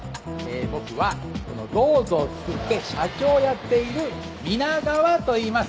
僕はこの「ＤＯＵＺＯ」をつくって社長をやっている皆川といいます。